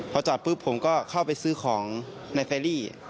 พอจอดปุ๊บผมก็เข้าไปซื้อของในแฟรี